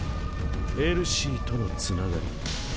エルシーとのつながり。